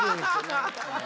アハハハハ！